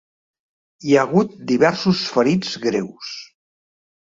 Hi ha hagut diversos ferits greus.